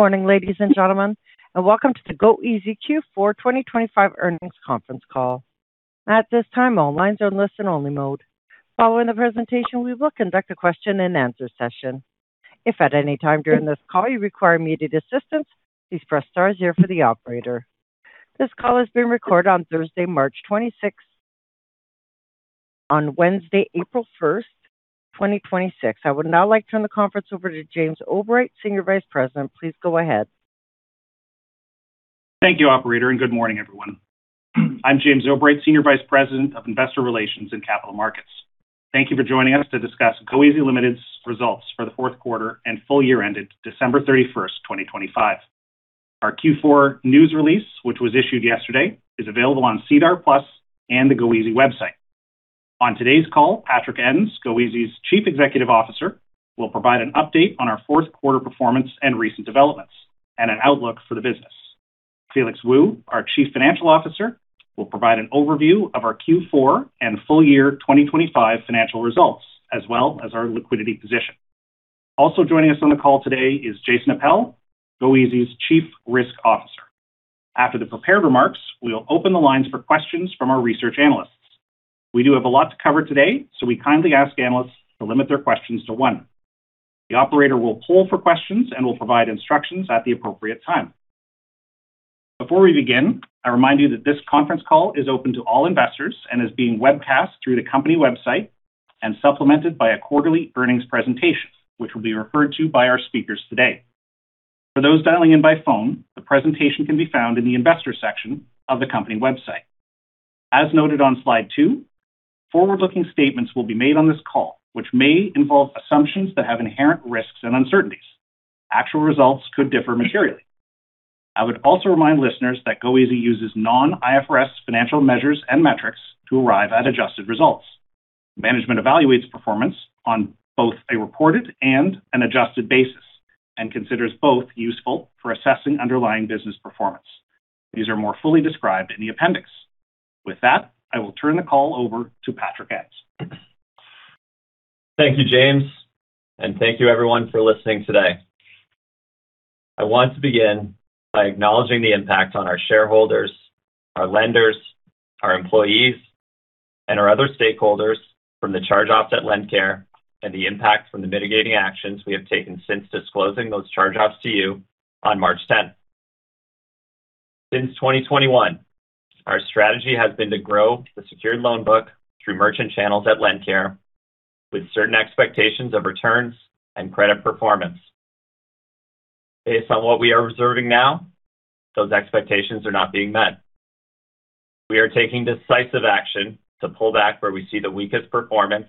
Morning, ladies and gentlemen, and welcome to the goeasy Q4 2025 earnings conference call. At this time, all lines are in listen-only mode. Following the presentation, we will conduct a question-and-answer session. If at any time during this call you require immediate assistance, please press star zero for the operator. This call is being recorded on Wednesday, April 1st, 2026. I would now like to turn the conference over to James Obright, Senior Vice President. Please go ahead. Thank you, operator, and good morning, everyone. I'm James Obright, Senior Vice President of Investor Relations and Capital Markets. Thank you for joining us to discuss goeasy Ltd.'s results for the fourth quarter and full-year ended December 31st, 2025. Our Q4 news release, which was issued yesterday, is available on SEDAR+ and the goeasy website. On today's call, Patrick Ens, goeasy's Chief Executive Officer, will provide an update on our fourth quarter performance and recent developments and an outlook for the business. Felix Wu, our Chief Financial Officer, will provide an overview of our Q4 and full-year 2025 financial results, as well as our liquidity position. Also joining us on the call today is Jason Appel, goeasy's Chief Risk Officer. After the prepared remarks, we will open the lines for questions from our research analysts. We do have a lot to cover today, so we kindly ask analysts to limit their questions to one. The operator will poll for questions and will provide instructions at the appropriate time. Before we begin, I remind you that this conference call is open to all investors and is being webcast through the company website and supplemented by a quarterly earnings presentation, which will be referred to by our speakers today. For those dialing in by phone, the presentation can be found in the investor section of the company website. As noted on Slide 2, forward-looking statements will be made on this call, which may involve assumptions that have inherent risks and uncertainties. Actual results could differ materially. I would also remind listeners that goeasy uses non-IFRS financial measures and metrics to arrive at adjusted results. Management evaluates performance on both a reported and an adjusted basis and considers both useful for assessing underlying business performance. These are more fully described in the appendix. With that, I will turn the call over to Patrick Ens. Thank you, James, and thank you everyone for listening today. I want to begin by acknowledging the impact on our shareholders, our lenders, our employees, and our other stakeholders from the charge-offs at LendCare and the impact from the mitigating actions we have taken since disclosing those charge-offs to you on March 10th. Since 2021, our strategy has been to grow the secured loan book through merchant channels at LendCare with certain expectations of returns and credit performance. Based on what we are observing now, those expectations are not being met. We are taking decisive action to pull back where we see the weakest performance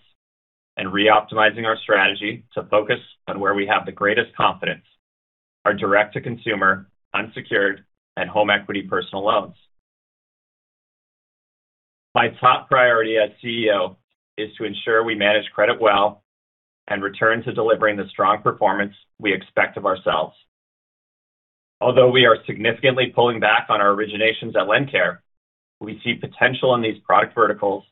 and reoptimizing our strategy to focus on where we have the greatest confidence, our direct-to-consumer, unsecured, and home equity personal loans. My top priority as CEO is to ensure we manage credit well and return to delivering the strong performance we expect of ourselves. Although we are significantly pulling back on our originations at LendCare, we see potential in these product verticals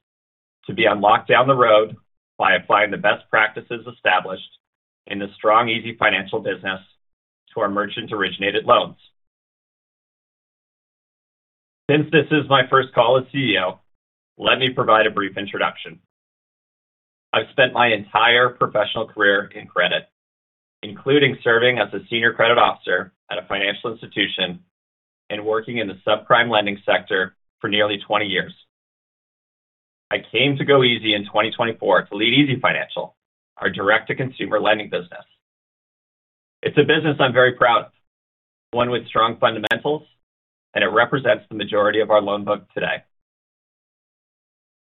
to be unlocked down the road by applying the best practices established in the strong easyfinancial business to our merchant-originated loans. Since this is my first call as CEO, let me provide a brief introduction. I've spent my entire professional career in credit, including serving as a senior credit officer at a financial institution and working in the subprime lending sector for nearly 20 years. I came to goeasy in 2024 to lead easyfinancial, our direct-to-consumer lending business. It's a business I'm very proud of, one with strong fundamentals, and it represents the majority of our loan book today.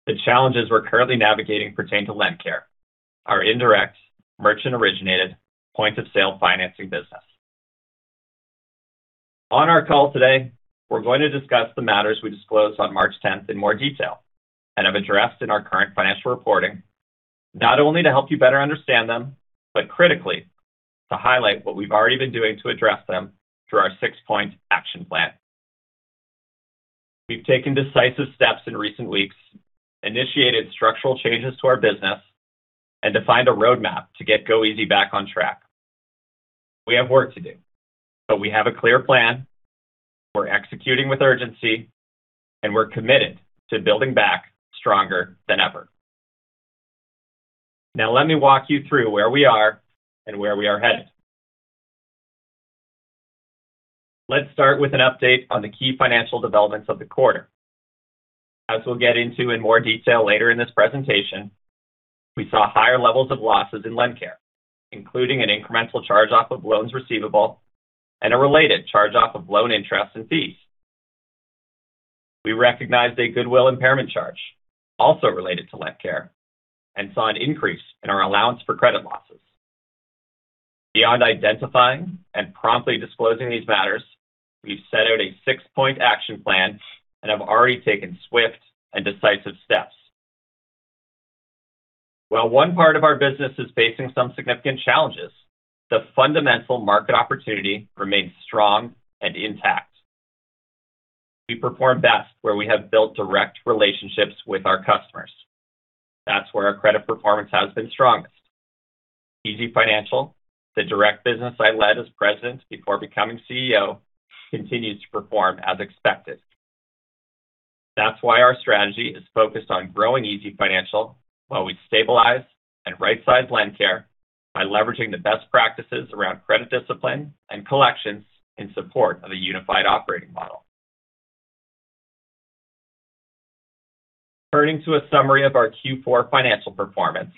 The challenges we're currently navigating pertain to LendCare, our indirect merchant-originated Point-of-sale financing business. On our call today, we're going to discuss the matters we disclosed on March 10th in more detail and have addressed in our current financial reporting. Not only to help you better understand them, but critically to highlight what we've already been doing to address them through our six-point action plan. We've taken decisive steps in recent weeks, initiated structural changes to our business, and defined a roadmap to get goeasy back on track. We have work to do, but we have a clear plan, we're executing with urgency, and we're committed to building back stronger than ever. Now let me walk you through where we are and where we are headed. Let's start with an update on the key financial developments of the quarter. As we'll get into in more detail later in this presentation, we saw higher levels of losses in LendCare, including an incremental charge-off of loans receivable and a related charge-off of loan interest and fees. We recognized a goodwill impairment charge also related to LendCare and saw an increase in our allowance for credit losses. Beyond identifying and promptly disclosing these matters, we've set out a six-point action plan and have already taken swift and decisive steps. While one part of our business is facing some significant challenges, the fundamental market opportunity remains strong and intact. We perform best where we have built direct relationships with our customers. That's where our credit performance has been strongest. easyfinancial, the direct business I led as president before becoming CEO, continues to perform as expected. That's why our strategy is focused on growing easyfinancial while we stabilize and right-size LendCare by leveraging the best practices around credit discipline and collections in support of a unified operating model. Turning to a summary of our Q4 financial performance.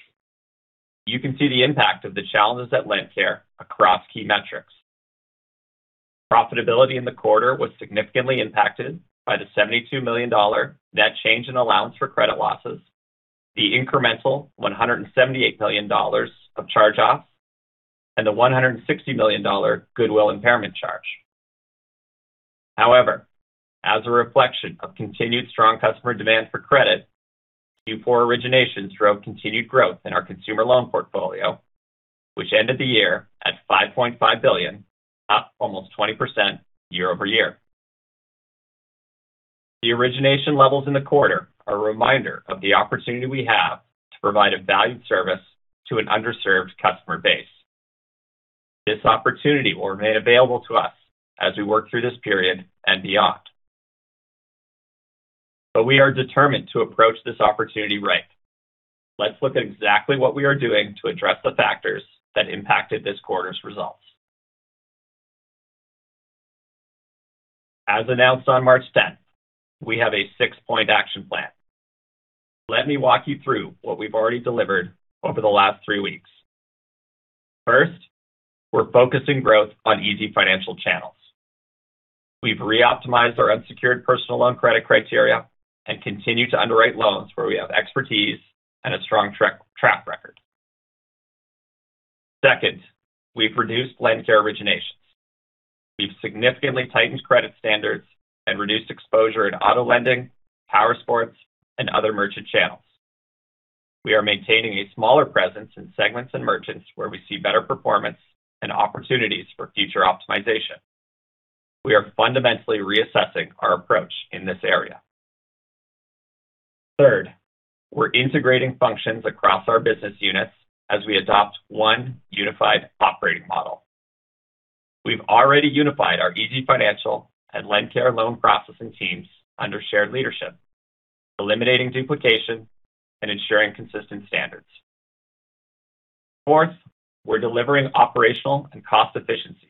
You can see the impact of the challenges at LendCare across key metrics. Profitability in the quarter was significantly impacted by the 72 million dollar net change in allowance for credit losses, the incremental 178 million dollars of charge-offs, and the 160 million dollar goodwill impairment charge. However, as a reflection of continued strong customer demand for credit, Q4 originations drove continued growth in our consumer loan portfolio, which ended the year at 5.5 billion, up almost 20% year-over-year. The origination levels in the quarter are a reminder of the opportunity we have to provide a valued service to an underserved customer base. This opportunity will remain available to us as we work through this period and beyond. We are determined to approach this opportunity right. Let's look at exactly what we are doing to address the factors that impacted this quarter's results. As announced on March 10th, we have a six-point action plan. Let me walk you through what we've already delivered over the last three weeks. First, we're focusing growth on easyfinancial channels. We've reoptimized our unsecured personal loan credit criteria and continue to underwrite loans where we have expertise and a strong track record. Second, we've reduced LendCare originations. We've significantly tightened credit standards and reduced exposure in auto lending, powersports, and other merchant channels. We are maintaining a smaller presence in segments and merchants where we see better performance and opportunities for future optimization. We are fundamentally reassessing our approach in this area. Third, we're integrating functions across our business units as we adopt one unified operating model. We've already unified our easyfinancial and LendCare loan processing teams under shared leadership, eliminating duplication and ensuring consistent standards. Fourth, we're delivering operational and cost efficiencies.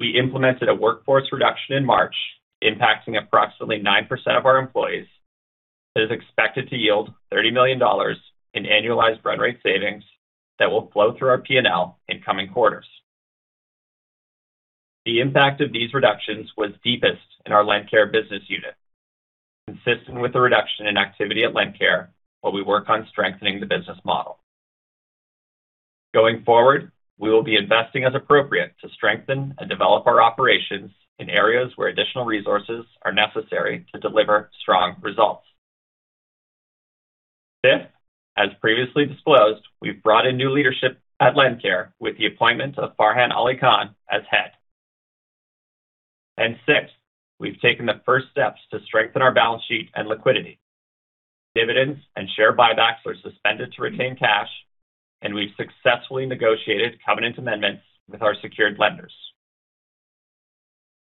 We implemented a workforce reduction in March, impacting approximately 9% of our employees that is expected to yield 30 million dollars in annualized run rate savings that will flow through our P&L in coming quarters. The impact of these reductions was deepest in our LendCare business unit, consistent with the reduction in activity at LendCare while we work on strengthening the business model. Going forward, we will be investing as appropriate to strengthen and develop our operations in areas where additional resources are necessary to deliver strong results. Fifth, as previously disclosed, we've brought in new leadership at LendCare with the appointment of Farhan Ali Khan as head. Sixth, we've taken the first steps to strengthen our balance sheet and liquidity. Dividends and share buybacks are suspended to retain cash, and we've successfully negotiated covenant amendments with our secured lenders.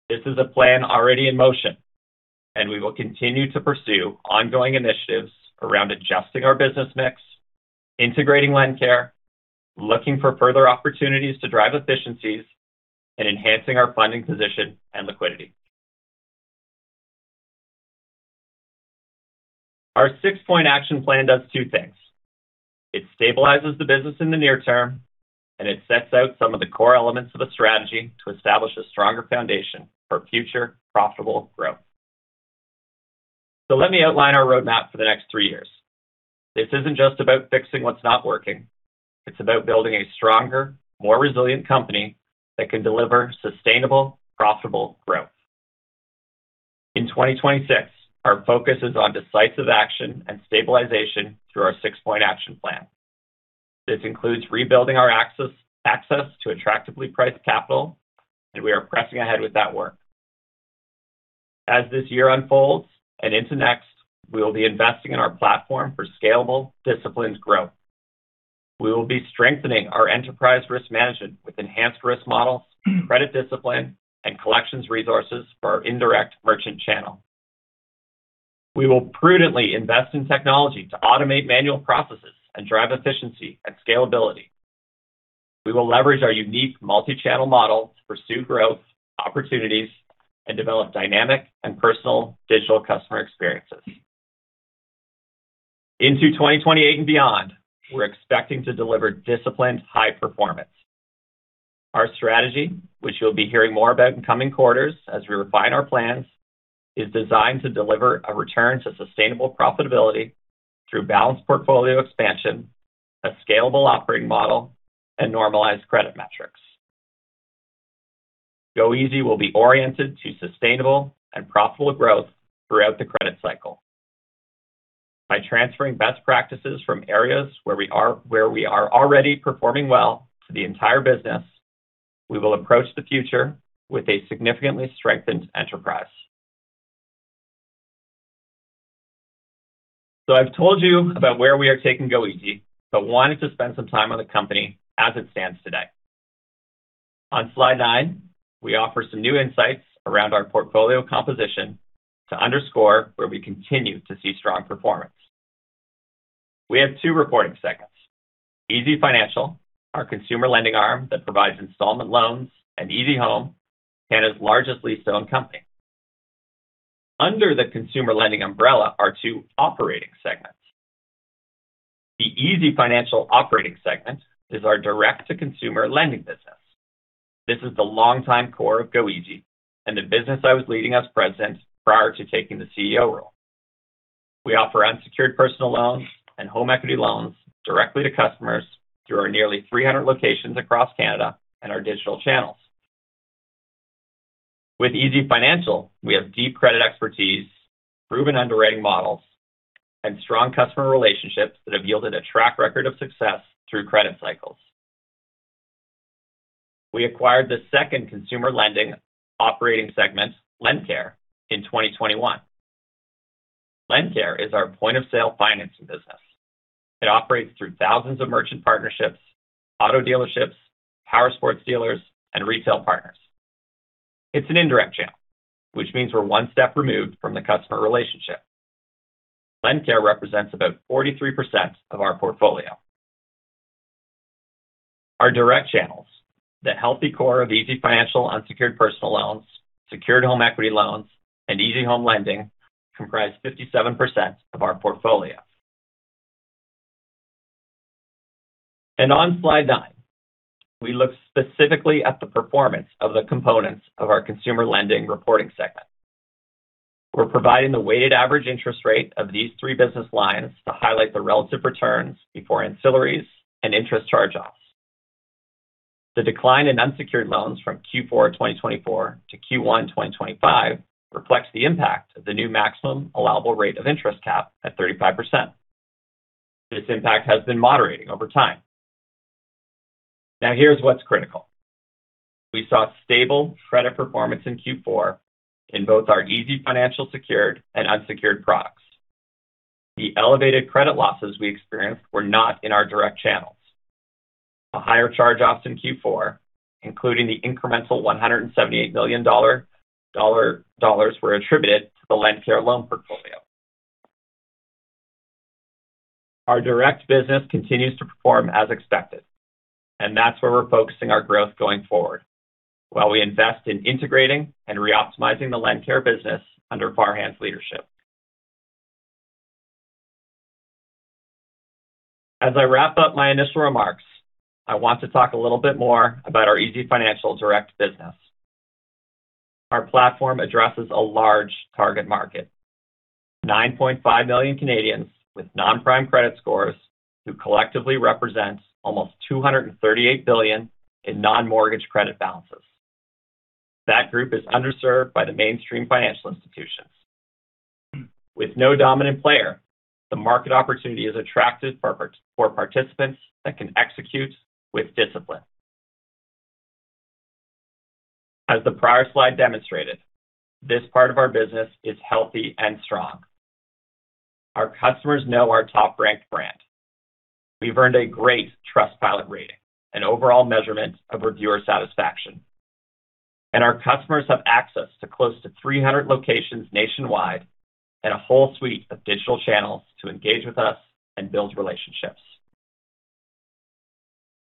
This is a plan already in motion, and we will continue to pursue ongoing initiatives around adjusting our business mix, integrating LendCare, looking for further opportunities to drive efficiencies, and enhancing our funding position and liquidity. Our six-point action plan does two things. It stabilizes the business in the near term, and it sets out some of the core elements of a strategy to establish a stronger foundation for future profitable growth. Let me outline our roadmap for the next three years. This isn't just about fixing what's not working. It's about building a stronger, more resilient company that can deliver sustainable, profitable growth. In 2026, our focus is on decisive action and stabilization through our six-point action plan. This includes rebuilding our access to attractively priced capital, and we are pressing ahead with that work. As this year unfolds and into next, we will be investing in our platform for scalable, disciplined growth. We will be strengthening our enterprise risk management with enhanced risk models, credit discipline, and collections resources for our indirect merchant channel. We will prudently invest in technology to automate manual processes and drive efficiency and scalability. We will leverage our unique multi-channel model to pursue growth, opportunities, and develop dynamic and personal digital customer experiences. Into 2028 and beyond, we're expecting to deliver disciplined high performance. Our strategy, which you'll be hearing more about in coming quarters as we refine our plans, is designed to deliver a return to sustainable profitability through balanced portfolio expansion, a scalable operating model, and normalized credit metrics. goeasy will be oriented to sustainable and profitable growth throughout the credit cycle. By transferring best practices from areas where we are already performing well to the entire business, we will approach the future with a significantly strengthened enterprise. I've told you about where we are taking goeasy but wanted to spend some time on the company as it stands today. On Slide 9, we offer some new insights around our portfolio composition to underscore where we continue to see strong performance. We have two reporting segments. easyfinancial, our consumer lending arm that provides Installment loans, and easyhome, Canada's largest Lease-to-own company. Under the consumer lending umbrella are two operating segments. The easyfinancial operating segment is our direct-to-consumer lending business. This is the longtime core of goeasy and the business I was leading as president prior to taking the CEO role. We offer Unsecured personal loans and Home equity loans directly to customers through our nearly 300 locations across Canada and our digital channels. With easyfinancial, we have deep credit expertise, proven underwriting models, and strong customer relationships that have yielded a track record of success through credit cycles. We acquired the second consumer lending operating segment, LendCare, in 2021. LendCare is our Point-of-sale financing business. It operates through thousands of merchant partnerships, auto dealerships, powersports dealers, and retail partners. It's an indirect channel, which means we're one step removed from the customer relationship. LendCare represents about 43% of our portfolio. Our direct channels, the healthy core of easyfinancial Unsecured personal loans, Secured home equity loans, and easyhome lending comprise 57% of our portfolio. On Slide 9, we look specifically at the performance of the components of our consumer lending reporting segment. We're providing the weighted average interest rate of these three business lines to highlight the relative returns before ancillaries and interest charge-offs. The decline in unsecured loans from Q4 2024 to Q1 2025 reflects the impact of the new maximum allowable rate of interest cap at 35%. This impact has been moderating over time. Now here's what's critical. We saw stable credit performance in Q4 in both our easyfinancial secured and unsecured products. The elevated credit losses we experienced were not in our direct channels. The higher charge-offs in Q4, including the incremental 178 million dollars, were attributed to the LendCare loan portfolio. Our direct business continues to perform as expected, and that's where we're focusing our growth going forward while we invest in integrating and reoptimizing the LendCare business under Farhan's leadership. As I wrap up my initial remarks, I want to talk a little bit more about our easyfinancial direct business. Our platform addresses a large target market, 9.5 million Canadians with non-prime credit scores who collectively represent almost 238 billion in non-mortgage credit balances. That group is underserved by the mainstream financial institutions. With no dominant player, the market opportunity is attractive for participants that can execute with discipline. As the prior slide demonstrated, this part of our business is healthy and strong. Our customers know our top-ranked brand. We've earned a great Trustpilot rating, an overall measurement of reviewer satisfaction. Our customers have access to close to 300 locations nationwide and a whole suite of digital channels to engage with us and build relationships.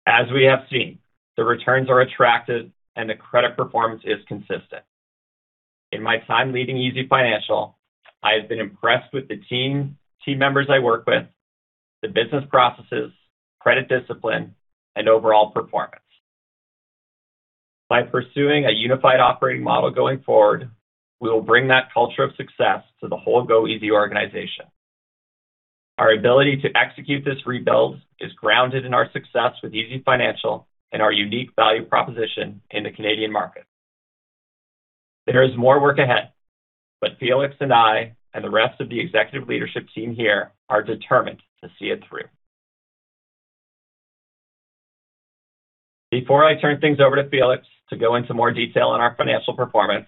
As we have seen, the returns are attractive, and the credit performance is consistent. In my time leading easyfinancial, I have been impressed with the team members I work with, the business processes, credit discipline, and overall performance. By pursuing a unified operating model going forward, we will bring that culture of success to the whole goeasy organization. Our ability to execute this rebuild is grounded in our success with easyfinancial and our unique value proposition in the Canadian market. There is more work ahead, but Felix and I, and the rest of the executive leadership team here are determined to see it through. Before I turn things over to Felix to go into more detail on our financial performance,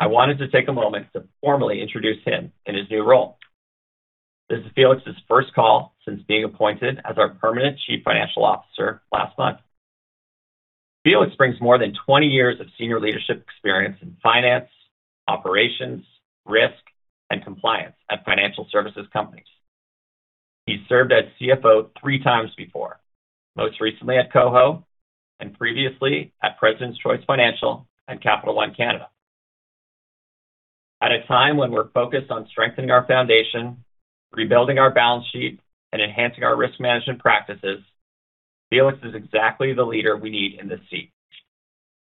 I wanted to take a moment to formally introduce him in his new role. This is Felix's first call since being appointed as our permanent Chief Financial Officer last month. Felix brings more than 20 years of senior leadership experience in finance, operations, risk, and compliance at financial services companies. He served as CFO 3x before, most recently at KOHO and previously at President's Choice Financial and Capital One Canada. At a time when we're focused on strengthening our foundation, rebuilding our balance sheet, and enhancing our risk management practices, Felix is exactly the leader we need in this seat.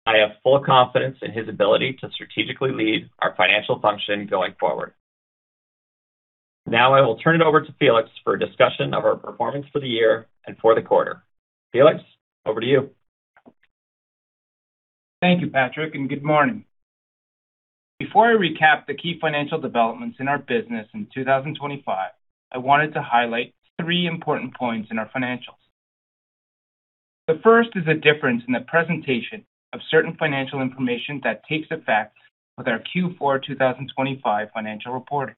I have full confidence in his ability to strategically lead our financial function going forward. Now I will turn it over to Felix for a discussion of our performance for the year and for the quarter. Felix, over to you. Thank you, Patrick, and good morning. Before I recap the key financial developments in our business in 2025, I wanted to highlight three important points in our financials. The first is a difference in the presentation of certain financial information that takes effect with our Q4 2025 financial reporting.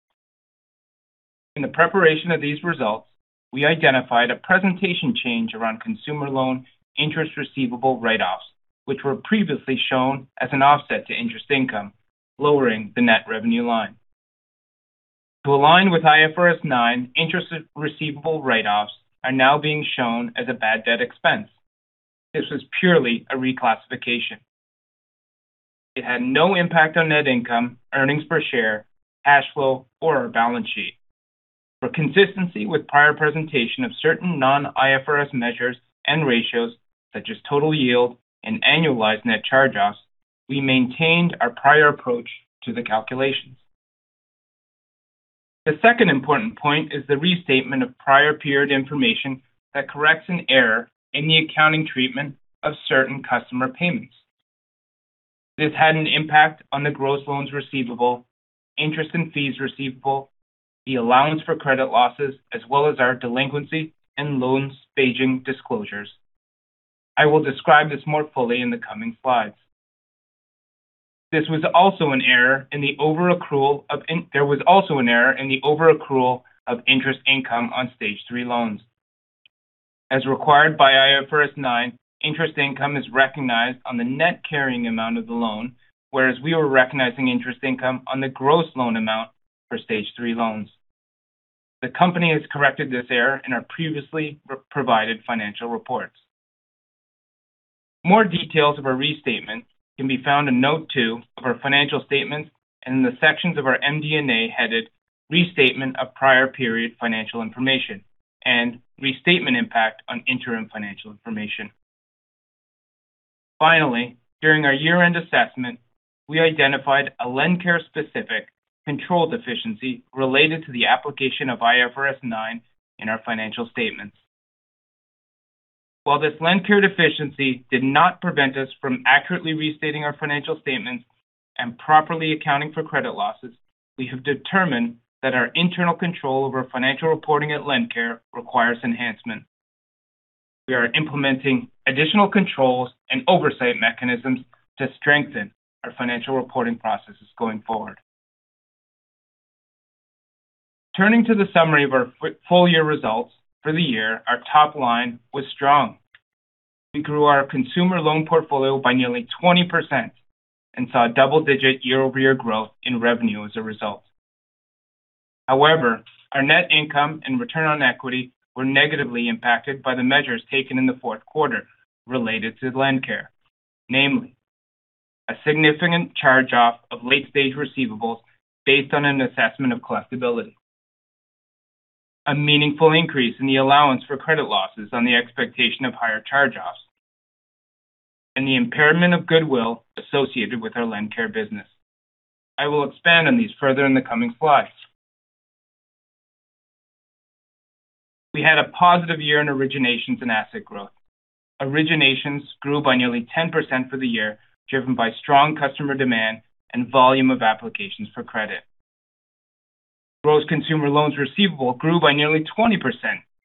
In the preparation of these results, we identified a presentation change around consumer loan interest receivable write-offs, which were previously shown as an offset to interest income, lowering the net revenue line. To align with IFRS 9, interest receivable write-offs are now being shown as a bad debt expense. This was purely a reclassification. It had no impact on net income, earnings per share, cash flow, or our balance sheet. For consistency with prior presentation of certain non-IFRS measures and ratios, such as total yield and annualized net charge-offs, we maintained our prior approach to the calculations. The second important point is the restatement of prior period information that corrects an error in the accounting treatment of certain customer payments. This had an impact on the gross loans receivable, interest and fees receivable, the allowance for credit losses, as well as our delinquency and loan staging disclosures. I will describe this more fully in the coming slides. There was also an error in the over-accrual of interest income on Stage 3 loans. As required by IFRS 9, interest income is recognized on the net carrying amount of the loan, whereas we were recognizing interest income on the gross loan amount for Stage 3 loans. The company has corrected this error in our previously provided financial reports. More details of our restatement can be found in Note 2 of our financial statements and in the sections of our MD&A headed Restatement of Prior Period Financial Information and Restatement Impact on Interim Financial Information. Finally, during our year-end assessment, we identified a LendCare-specific control deficiency related to the application of IFRS 9 in our financial statements. While this LendCare deficiency did not prevent us from accurately restating our financial statements and properly accounting for credit losses, we have determined that our internal control over financial reporting at LendCare requires enhancement. We are implementing additional controls and oversight mechanisms to strengthen our financial reporting processes going forward. Turning to the summary of our full-year results for the year, our top line was strong. We grew our consumer loan portfolio by nearly 20% and saw double-digit year-over-year growth in revenue as a result. However, our net income and return on equity were negatively impacted by the measures taken in the fourth quarter related to LendCare, namely a significant charge-off of late-stage receivables based on an assessment of collectibility, a meaningful increase in the allowance for credit losses on the expectation of higher charge-offs and the impairment of goodwill associated with our LendCare business. I will expand on these further in the coming slides. We had a positive year in originations and asset growth. Originations grew by nearly 10% for the year, driven by strong customer demand and volume of applications for credit. Gross consumer loans receivable grew by nearly 20%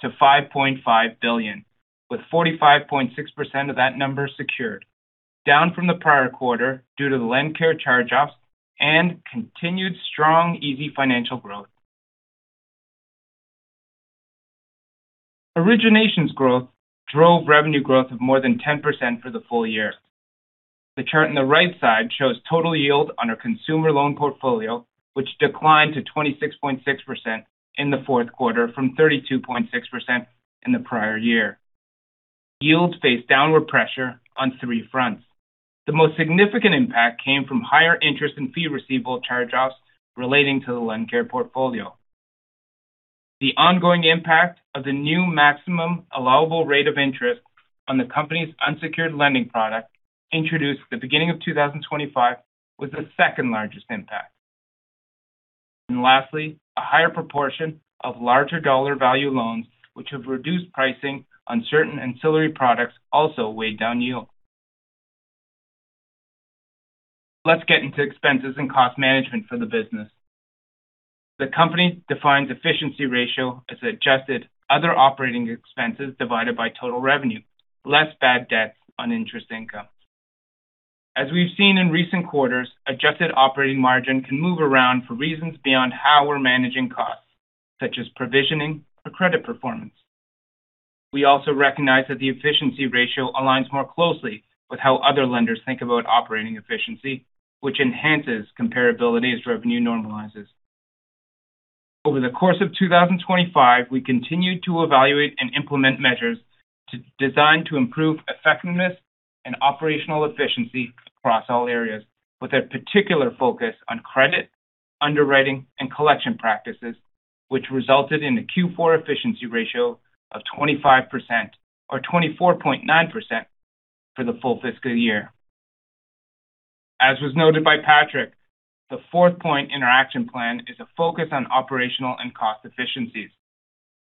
to 5.5 billion, with 45.6% of that number secured, down from the prior quarter due to the LendCare charge-offs and continued strong easyfinancial growth. Originations growth drove revenue growth of more than 10% for the full-year. The chart on the right side shows total yield on our consumer loan portfolio, which declined to 26.6% in the fourth quarter from 32.6% in the prior year. Yields faced downward pressure on three fronts. The most significant impact came from higher interest and fee receivable charge-offs relating to the LendCare portfolio. The ongoing impact of the new maximum allowable rate of interest on the company's unsecured lending product introduced at the beginning of 2025 was the second largest impact. Lastly, a higher proportion of larger dollar value loans which have reduced pricing on certain ancillary products also weighed down yield. Let's get into expenses and cost management for the business. The company defines efficiency ratio as adjusted other operating expenses divided by total revenue, less bad debt on interest income. As we've seen in recent quarters, adjusted operating margin can move around for reasons beyond how we're managing costs, such as provisioning or credit performance. We also recognize that the efficiency ratio aligns more closely with how other lenders think about operating efficiency, which enhances comparability as revenue normalizes. Over the course of 2025, we continued to evaluate and implement measures designed to improve effectiveness and operational efficiency across all areas, with a particular focus on credit, underwriting, and collection practices, which resulted in a Q4 efficiency ratio of 25% or 24.9% for the full fiscal year. As was noted by Patrick, the fourth point in our action plan is a focus on operational and cost efficiencies,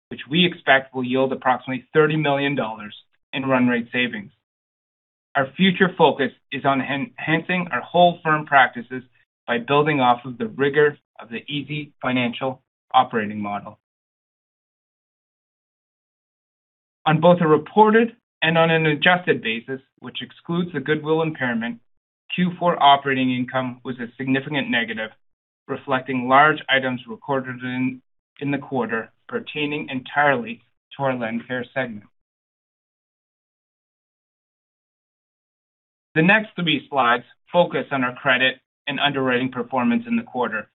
which we expect will yield approximately 30 million dollars in run rate savings. Our future focus is on enhancing our whole firm practices by building off of the rigor of the easyfinancial operating model. On both a reported and on an adjusted basis, which excludes the goodwill impairment, Q4 operating income was a significant negative, reflecting large items recorded in the quarter pertaining entirely to our LendCare segment. The next three slides focus on our credit and underwriting performance in the quarter.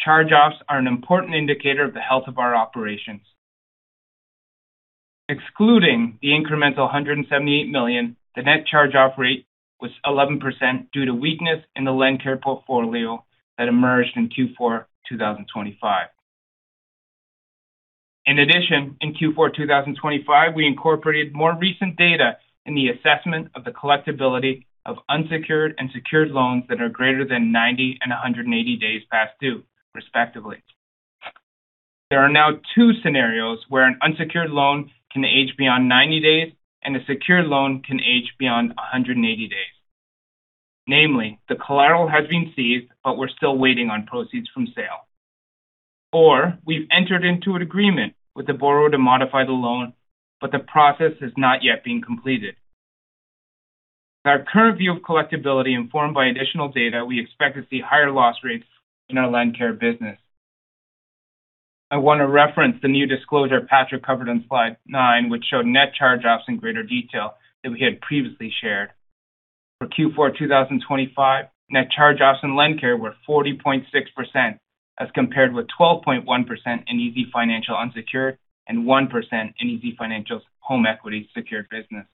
Charge-offs are an important indicator of the health of our operations. Excluding the incremental 178 million, the net charge-off rate was 11% due to weakness in the LendCare portfolio that emerged in Q4 2025. In addition, in Q4 2025, we incorporated more recent data in the assessment of the collectibility of unsecured and secured loans that are greater than 90 and 180 days past due, respectively. There are now two scenarios where an unsecured loan can age beyond 90 days and a secured loan can age beyond 180 days. Namely, the collateral has been seized, but we're still waiting on proceeds from sale. We've entered into an agreement with the borrower to modify the loan, but the process has not yet been completed. With our current view of collectibility informed by additional data, we expect to see higher loss rates in our LendCare business. I want to reference the new disclosure Patrick covered on Slide 9, which showed net charge-offs in greater detail than we had previously shared. For Q4 2025, net charge-offs in LendCare were 40.6% as compared with 12.1% in easyfinancial unsecured and 1% in easyfinancial's home equity-secured business.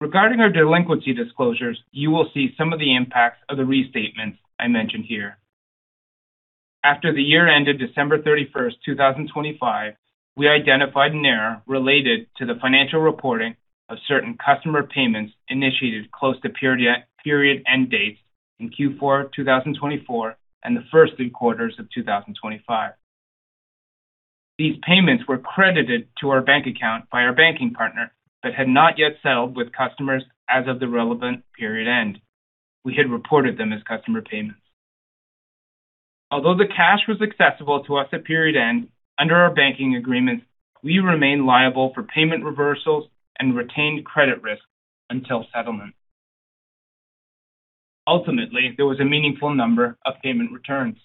Regarding our delinquency disclosures, you will see some of the impacts of the restatements I mentioned here. After the year-end of December 31st, 2025, we identified an error related to the financial reporting of certain customer payments initiated close to period-end dates in Q4 2024 and the first three quarters of 2025. These payments were credited to our bank account by our banking partner, but had not yet settled with customers as of the relevant period end. We had reported them as customer payments. Although the cash was accessible to us at period end, under our banking agreements, we remain liable for payment reversals and retained credit risk until settlement. Ultimately, there was a meaningful number of payment returns.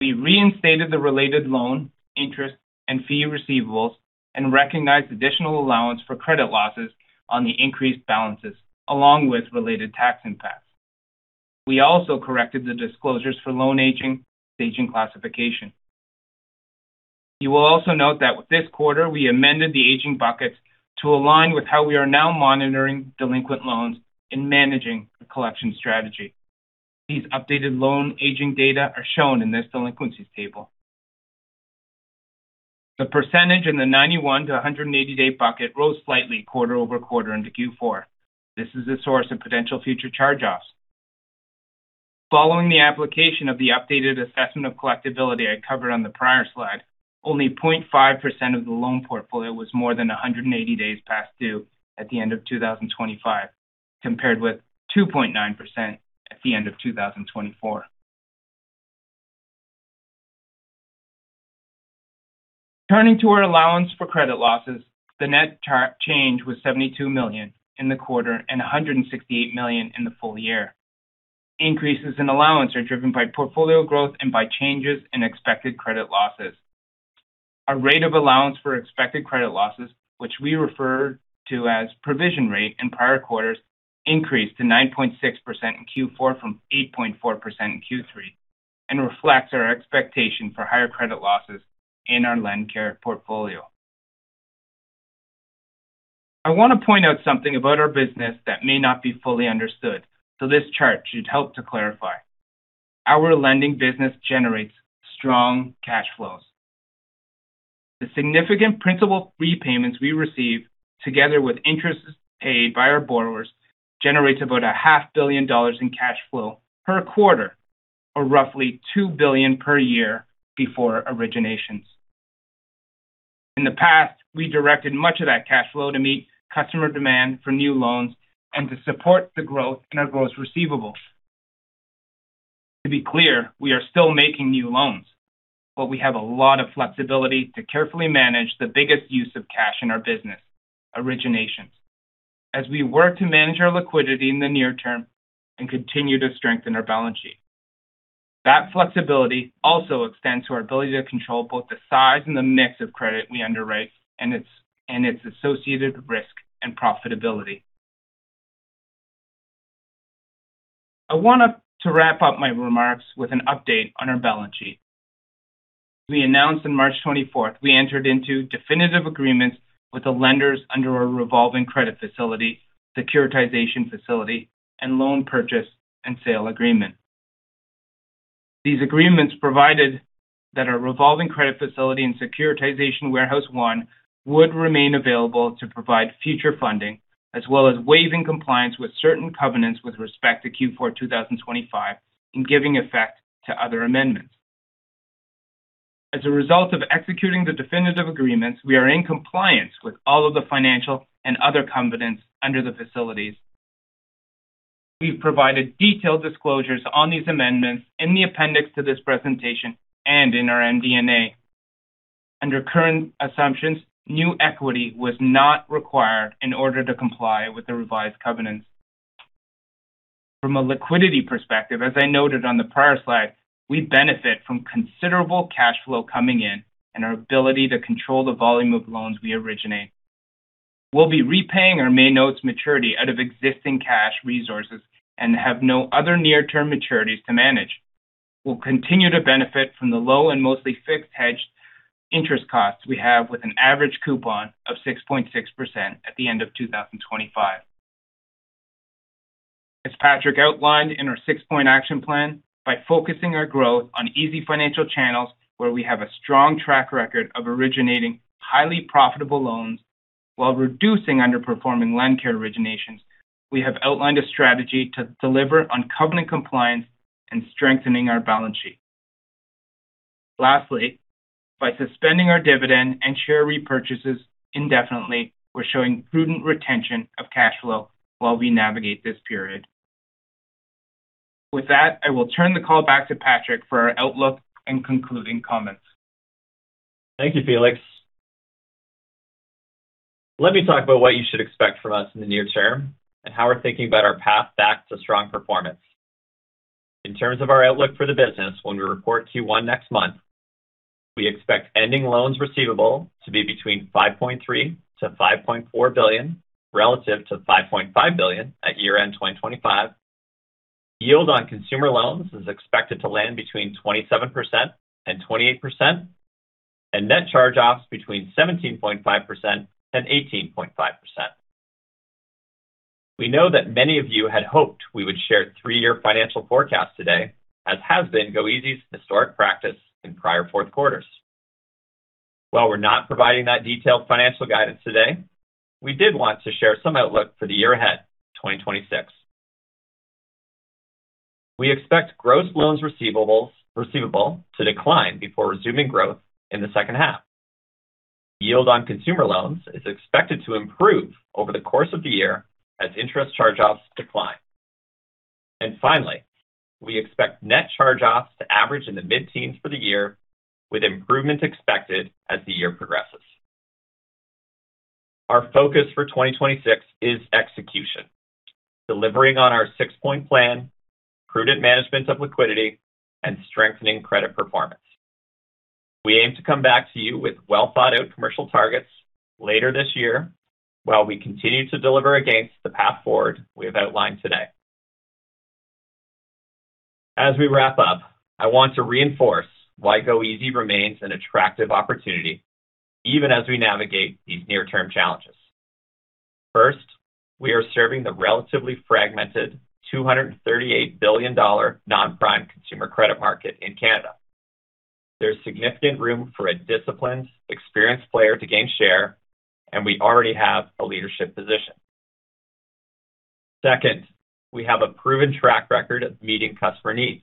We reinstated the related loan, interest, and fee receivables and recognized additional allowance for credit losses on the increased balances, along with related tax impacts. We also corrected the disclosures for loan aging to aging classification. You will also note that with this quarter, we amended the aging buckets to align with how we are now monitoring delinquent loans in managing the collection strategy. These updated loan aging data are shown in this delinquencies table. The percentage in the 91-180-day bucket rose slightly quarter-over-quarter into Q4. This is a source of potential future charge-offs. Following the application of the updated assessment of collectibility I covered on the prior slide, only 0.5% of the loan portfolio was more than 180 days past due at the end of 2025, compared with 2.9% at the end of 2024. Turning to our allowance for credit losses, the net change was 72 million in the quarter and 168 million in the full-year. Increases in allowance are driven by portfolio growth and by changes in expected credit losses. Our rate of allowance for expected credit losses, which we referred to as provision rate in prior quarters, increased to 9.6% in Q4 from 8.4% in Q3 and reflects our expectation for higher credit losses in our LendCare portfolio. I want to point out something about our business that may not be fully understood, so this chart should help to clarify. Our lending business generates strong cash flows. The significant principal repayments we receive, together with interest paid by our borrowers, generates about CAD half billion in cash flow per quarter, or roughly 2 billion per year before originations. In the past, we directed much of that cash flow to meet customer demand for new loans and to support the growth in our gross receivables. To be clear, we are still making new loans, but we have a lot of flexibility to carefully manage the biggest use of cash in our business: originations as we work to manage our liquidity in the near term and continue to strengthen our balance sheet. That flexibility also extends to our ability to control both the size and the mix of credit we underwrite and its associated risk and profitability. I wanted to wrap up my remarks with an update on our balance sheet. We announced on March 24th, we entered into definitive agreements with the lenders under a revolving credit facility, securitization facility, and loan purchase and sale agreement. These agreements provided that our revolving credit facility and securitization warehouse one would remain available to provide future funding, as well as waiving compliance with certain covenants with respect to Q4 2025 and giving effect to other amendments. As a result of executing the definitive agreements, we are in compliance with all of the financial and other covenants under the facilities. We've provided detailed disclosures on these amendments in the appendix to this presentation and in our MD&A. Under current assumptions, new equity was not required in order to comply with the revised covenants. From a liquidity perspective, as I noted on the prior slide, we benefit from considerable cash flow coming in and our ability to control the volume of loans we originate. We'll be repaying our May notes maturity out of existing cash resources and have no other near-term maturities to manage. We'll continue to benefit from the low and mostly fixed hedged interest costs we have with an average coupon of 6.6% at the end of 2025. As Patrick outlined in our six-point action plan, by focusing our growth on easyfinancial channels where we have a strong track record of originating highly profitable loans while reducing underperforming LendCare originations, we have outlined a strategy to deliver on covenant compliance and strengthening our balance sheet. Lastly, by suspending our dividend and share repurchases indefinitely, we're showing prudent retention of cash flow while we navigate this period. With that, I will turn the call back to Patrick for our outlook and concluding comments. Thank you, Felix. Let me talk about what you should expect from us in the near term and how we're thinking about our path back to strong performance. In terms of our outlook for the business when we report Q1 next month, we expect ending loans receivable to be between 5.3 billion-5.4 billion relative to 5.5 billion at year-end 2025. Yield on consumer loans is expected to land between 27%-28%, and net charge-offs between 17.5%-18.5%. We know that many of you had hoped we would share three-year financial forecast today, as has been goeasy's historic practice in prior fourth quarters. While we're not providing that detailed financial guidance today, we did want to share some outlook for the year ahead, 2026. We expect gross loans receivable to decline before resuming growth in the second half. Yield on consumer loans is expected to improve over the course of the year as interest charge-offs decline. Finally, we expect net charge-offs to average in the mid-teens for the year, with improvement expected as the year progresses. Our focus for 2026 is execution, delivering on our six-point plan, prudent management of liquidity, and strengthening credit performance. We aim to come back to you with well-thought-out commercial targets later this year while we continue to deliver against the path forward we have outlined today. As we wrap up, I want to reinforce why goeasy remains an attractive opportunity even as we navigate these near-term challenges. First, we are serving the relatively fragmented 238 billion dollar non-prime consumer credit market in Canada. There's significant room for a disciplined, experienced player to gain share, and we already have a leadership position. Second, we have a proven track record of meeting customer needs.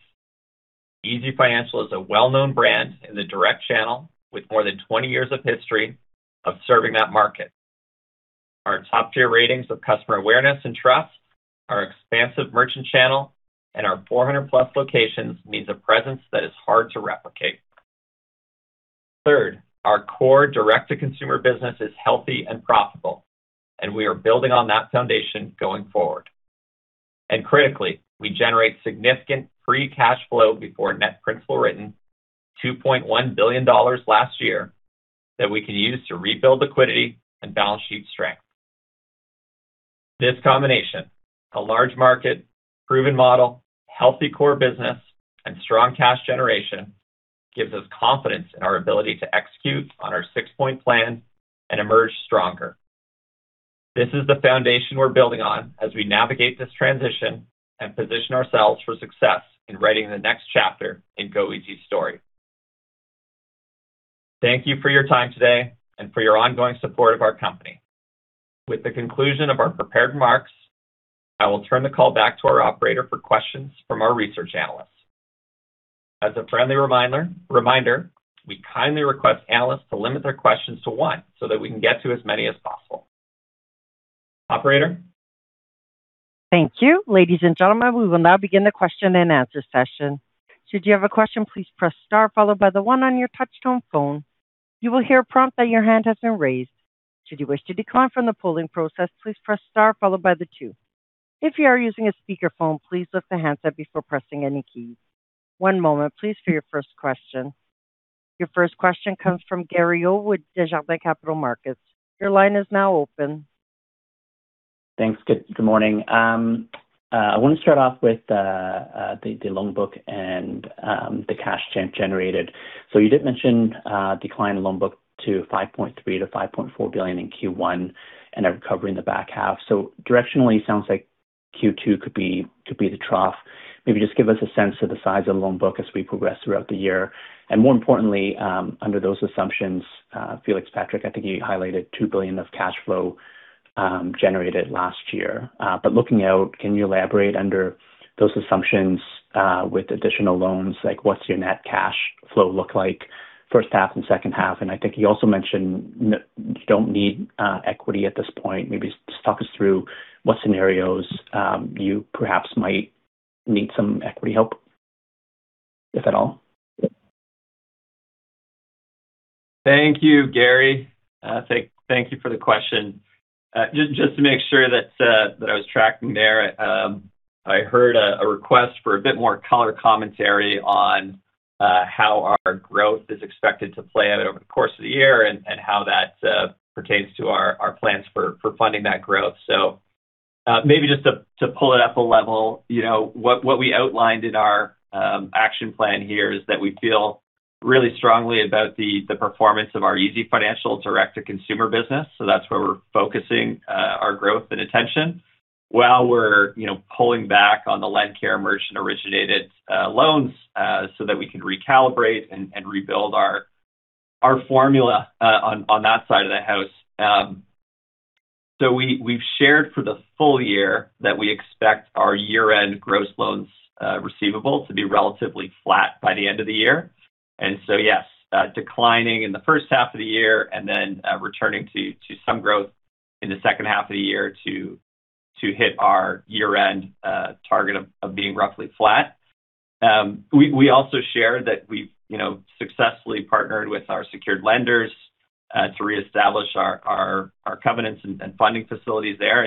easyfinancial is a well-known brand in the direct channel with more than 20 years of history of serving that market. Our top-tier ratings of customer awareness and trust, our expansive merchant channel, and our 400+ locations means a presence that is hard to replicate. Third, our core direct-to-consumer business is healthy and profitable, and we are building on that foundation going forward. Critically, we generate significant free cash flow before net principal written, 2.1 billion dollars last year that we can use to rebuild liquidity and balance sheet strength. This combination, a large market, proven model, healthy core business, and strong cash generation, gives us confidence in our ability to execute on our six-point plan and emerge stronger. This is the foundation we're building on as we navigate this transition and position ourselves for success in writing the next chapter in goeasy's story. Thank you for your time today and for your ongoing support of our company. With the conclusion of our prepared remarks, I will turn the call back to our operator for questions from our research analysts. As a friendly reminder, we kindly request analysts to limit their questions to one so that we can get to as many as possible. Operator. Thank you. Ladies and gentlemen, we will now begin the question and answer session. Should you have a question, please press star followed by the one on your touch-tone phone. You will hear a prompt that your hand has been raised. Should you wish to decline from the polling process, please press star followed by the two. If you are using a speakerphone, please lift the handset before pressing any key. One moment please for your first question. Your first question comes from Gary Ho with Desjardins Capital Markets. Your line is now open. Thanks. Good morning. I want to start off with the loan book and the cash generated. You did mention decline in loan book to 5.3 billion-5.4 billion in Q1 and are covering the back half. Directionally, sounds like Q2 could be the trough. Maybe just give us a sense of the size of the loan book as we progress throughout the year. More importantly, under those assumptions, Felix, Patrick, I think you highlighted 2 billion of cash flow generated last year. Looking out, can you elaborate under those assumptions with additional loans, like what's your net cash flow look like first half and second half? I think you also mentioned you don't need equity at this point. Maybe just talk us through what scenarios, you perhaps might need some equity help, if at all? Thank you, Gary. Thank you for the question. Just to make sure that I was tracking there, I heard a request for a bit more color commentary on how our growth is expected to play out over the course of the year and how that pertains to our plans for funding that growth. Maybe just to pull it up a level, you know, what we outlined in our action plan here is that we feel really strongly about the performance of our easyfinancial direct-to-consumer business, so that's where we're focusing our growth and attention, while we're, you know, pulling back on the LendCare merchant-originated loans, so that we can recalibrate and rebuild our formula on that side of the house. We've shared for the full-year that we expect our year-end gross loans receivable to be relatively flat by the end of the year. Yes, declining in the first half of the year and then returning to some growth in the second half of the year to hit our year-end target of being roughly flat. We've also shared that we've, you know, successfully partnered with our secured lenders to reestablish our covenants and funding facilities there.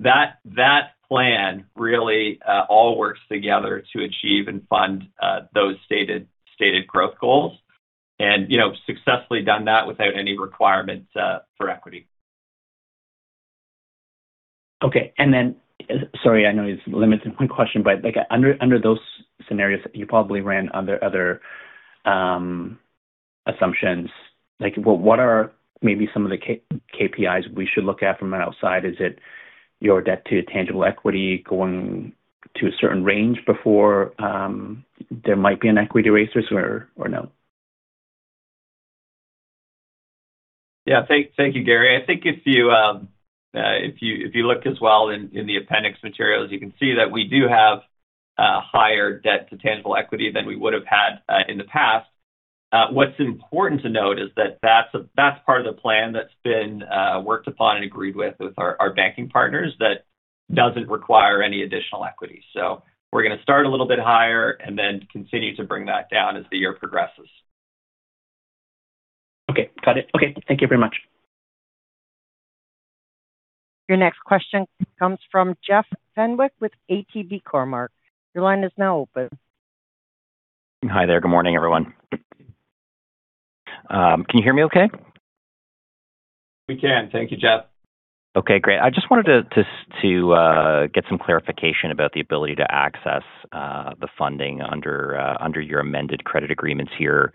That plan really all works together to achieve and fund those stated growth goals. You know, successfully done that without any requirements for equity. Okay. Sorry, I know it's limited to one question, but like under those scenarios, you probably ran other assumptions. Like, what are maybe some of the KPIs we should look at from outside? Is it your debt to tangible equity going to a certain range before there might be an equity raise or no? Yeah. Thank you, Gary. I think if you look as well in the appendix materials, you can see that we do have higher debt to tangible equity than we would have had in the past. What's important to note is that that's part of the plan that's been worked upon and agreed with our banking partners that doesn't require any additional equity. We're gonna start a little bit higher and then continue to bring that down as the year progresses. Okay. Got it. Okay, thank you very much. Your next question comes from Jeff Fenwick with ATB Cormark. Your line is now open. Hi there. Good morning, everyone. Can you hear me okay? We can. Thank you, Jeff. Okay, great. I just wanted to get some clarification about the ability to access the funding under your amended credit agreements here.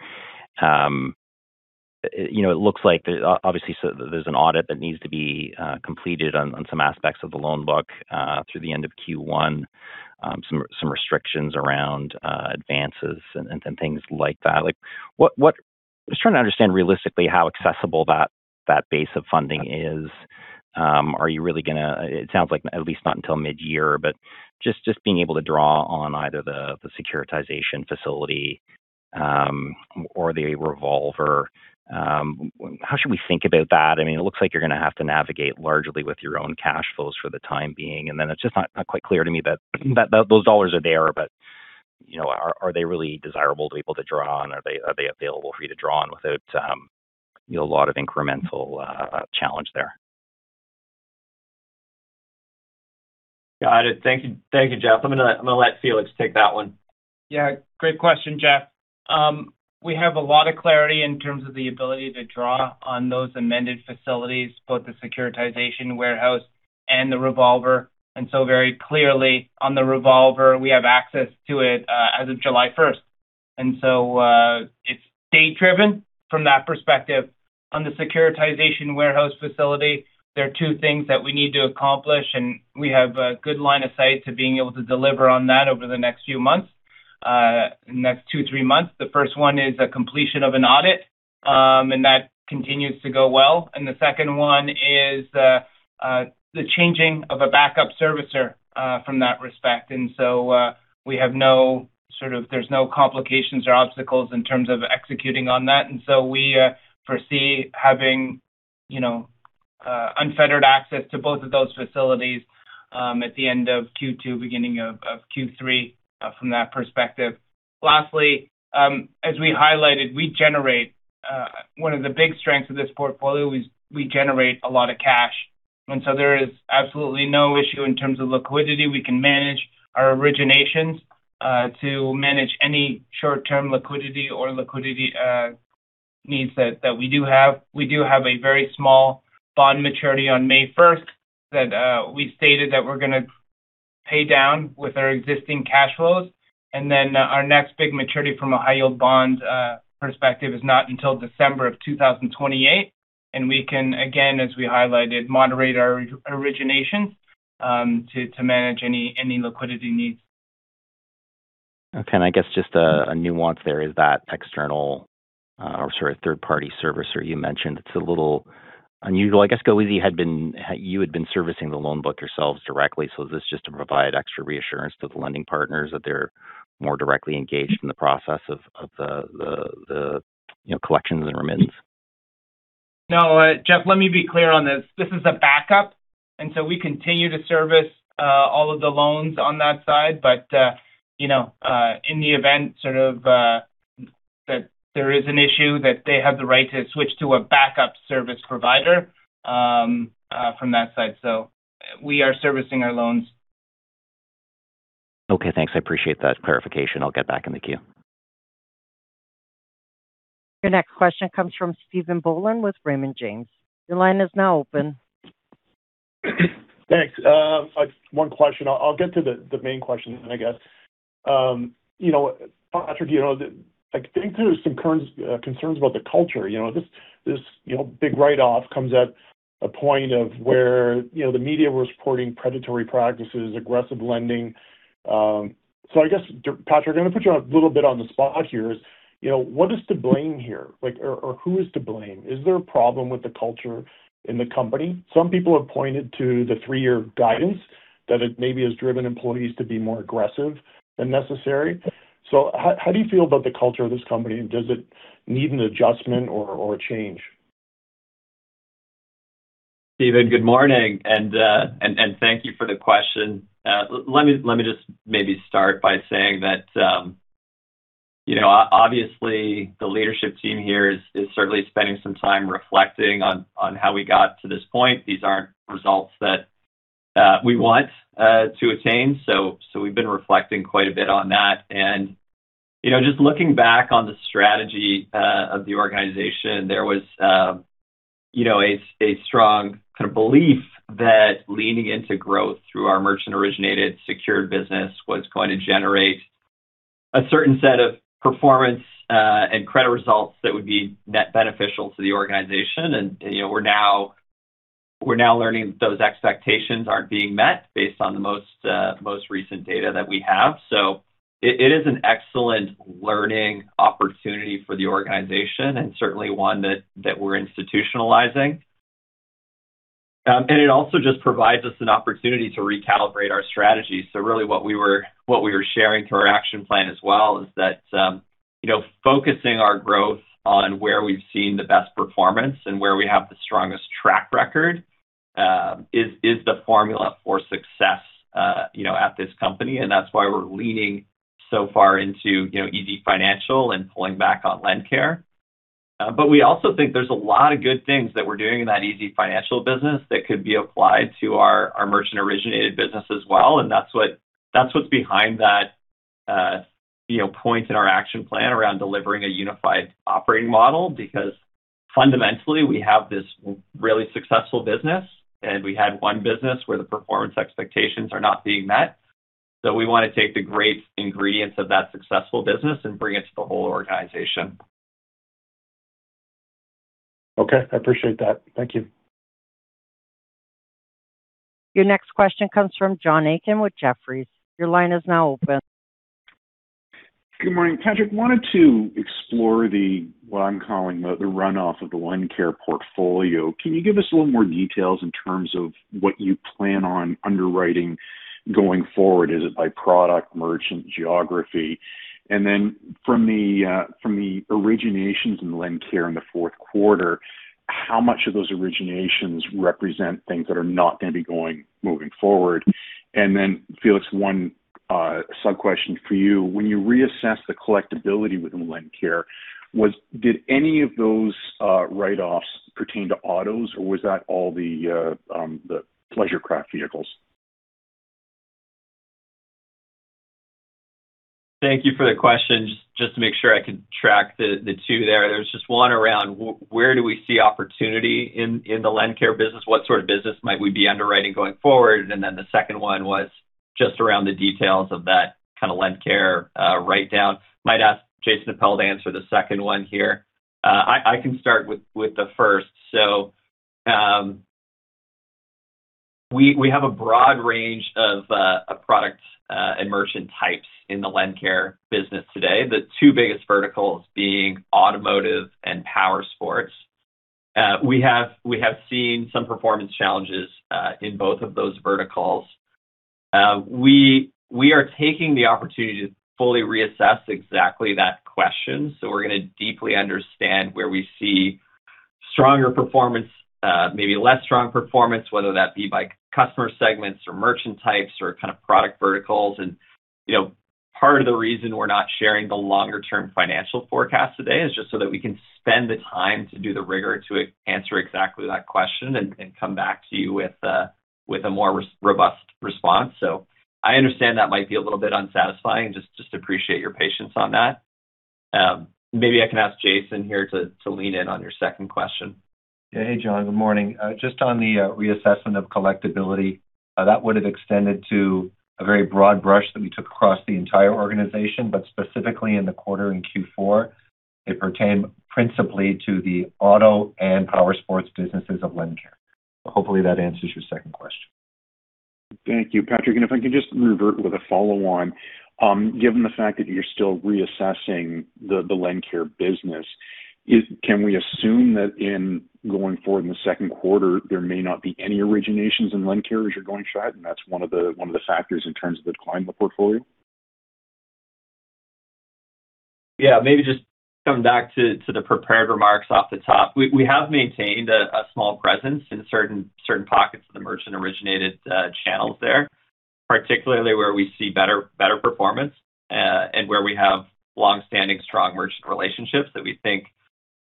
You know, it looks like obviously there's an audit that needs to be completed on some aspects of the loan book through the end of Q1. Some restrictions around advances and things like that. Like, what just trying to understand realistically how accessible that base of funding is. Are you really gonna it sounds like at least not until midyear, but just being able to draw on either the securitization facility or the revolver, how should we think about that? I mean, it looks like you're gonna have to navigate largely with your own cash flows for the time being. It's just not quite clear to me that those dollars are there, but you know, are they really desirable to people to draw on? Are they available for you to draw on without, you know, a lot of incremental challenge there? Got it. Thank you. Thank you, Jeff. I'm gonna let Felix take that one. Yeah, great question, Jeff. We have a lot of clarity in terms of the ability to draw on those amended facilities, both the securitization warehouse and the revolver. Very clearly on the revolver, we have access to it as of July 1st. It's date driven from that perspective. On the securitization warehouse facility, there are two things that we need to accomplish, and we have a good line of sight to being able to deliver on that over the next few months, next two, three months. The first one is a completion of an audit, and that continues to go well. The second one is the changing of a backup servicer from that respect. We have no complications or obstacles in terms of executing on that. We foresee having, you know, unfettered access to both of those facilities, at the end of Q2, beginning of Q3, from that perspective. Lastly, as we highlighted, one of the big strengths of this portfolio is we generate a lot of cash. There is absolutely no issue in terms of liquidity. We can manage our originations to manage any short-term liquidity or liquidity needs that we do have. We do have a very small bond maturity on May 1st that we've stated that we're gonna pay down with our existing cash flows. Our next big maturity from a high-yield bond perspective is not until December 2028, and we can, again, as we highlighted, moderate our origination to manage any liquidity needs. Okay. I guess just a nuance there is that external, or sort of third-party servicer you mentioned, it's a little unusual. I guess goeasy had been servicing the loan book yourselves directly, so is this just to provide extra reassurance to the lending partners that they're more directly engaged in the process of the collections and remittances? No. Jeff, let me be clear on this. This is a backup, and so we continue to service all of the loans on that side. You know, in the event sort of that there is an issue that they have the right to switch to a backup servicer from that side. We are servicing our loans. Okay, thanks. I appreciate that clarification. I'll get back in the queue. Your next question comes from Stephen Boland with Raymond James. Your line is now open. Thanks. One question. I'll get to the main question then I guess. You know, Patrick, you know, I think there's some concerns about the culture. You know, this big write-off comes at a point where, you know, the media were reporting predatory practices, aggressive lending. I guess, Patrick, I'm gonna put you a little bit on the spot here. You know, what is to blame here? Like, or who is to blame? Is there a problem with the culture in the company? Some people have pointed to the three-year guidance that it maybe has driven employees to be more aggressive than necessary. How do you feel about the culture of this company, and does it need an adjustment or a change? Stephen, Good morning, and thank you for the question. Let me just maybe start by saying that, you know, obviously the leadership team here is certainly spending some time reflecting on how we got to this point. These aren't results that we want to attain. We've been reflecting quite a bit on that. You know, just looking back on the strategy of the organization, there was, you know, a strong kind of belief that leaning into growth through our merchant-originated secured business was going to generate a certain set of performance and credit results that would be beneficial to the organization. You know, we're now learning those expectations aren't being met based on the most recent data that we have. It is an excellent learning opportunity for the organization and certainly one that we're institutionalizing. It also just provides us an opportunity to recalibrate our strategy. Really what we were sharing through our action plan as well is that, you know, focusing our growth on where we've seen the best performance and where we have the strongest track record is the formula for success, you know, at this company. That's why we're leaning so far into, you know, easyfinancial and pulling back on LendCare. We also think there's a lot of good things that we're doing in that easyfinancial business that could be applied to our merchant-originated business as well, and that's what's behind that, you know, point in our action plan around delivering a unified operating model. Because fundamentally, we have this really successful business, and we had one business where the performance expectations are not being met. We want to take the great ingredients of that successful business and bring it to the whole organization. Okay. I appreciate that. Thank you. Your next question comes from John Aiken with Jefferies. Your line is now open. Good morning. Patrick, I wanted to explore what I'm calling the runoff of the LendCare portfolio. Can you give us a little more details in terms of what you plan on underwriting going forward? Is it by product, merchant, geography? From the originations in LendCare in the fourth quarter, how much of those originations represent things that are not going to be going moving forward? Felix, one sub-question for you. When you reassess the collectibility within LendCare, did any of those write-offs pertain to autos, or was that all the pleasure craft vehicles? Thank you for the question. Just to make sure I can track the two there. There's just one around where do we see opportunity in the LendCare business? What sort of business might we be underwriting going forward? Then the second one was just around the details of that kind of LendCare write-down. Might ask Jason Appel to answer the second one here. I can start with the first. We have a broad range of products and merchant types in the LendCare business today. The two biggest verticals being automotive and powersports. We have seen some performance challenges in both of those verticals. We are taking the opportunity to fully reassess exactly that question. We're gonna deeply understand where we see stronger performance, maybe less strong performance, whether that be by customer segments or merchant types or kind of product verticals. You know, part of the reason we're not sharing the longer-term financial forecast today is just so that we can spend the time to do the rigor to answer exactly that question and come back to you with a more robust response. I understand that might be a little bit unsatisfying. Just appreciate your patience on that. Maybe I can ask Jason here to lean in on your second question. Hey, John. Good morning. Just on the reassessment of collectability, that would have extended to a very broad brush that we took across the entire organization, but specifically in the quarter in Q4, it pertained principally to the auto and powersports businesses of LendCare. Hopefully, that answers your second question. Thank you, Patrick. If I can just revert with a follow-on. Given the fact that you're still reassessing the LendCare business, can we assume that going forward in the second quarter, there may not be any originations in LendCare as you're going forward, and that's one of the factors in terms of declining the portfolio? Yeah. Maybe just coming back to the prepared remarks off the top. We have maintained a small presence in certain pockets of the merchant-originated channels there, particularly where we see better performance and where we have long-standing strong merchant relationships that